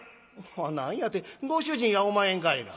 「何やてご主人やおまへんかいな」。